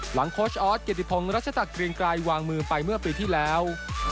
หลังคอร์ชออสเกียรติพงศ์รัชธกรีงกลายวางมือไปเมื่อปีที่แล้ว